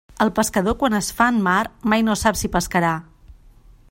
El pescador quan es fa en mar mai no sap si pescarà.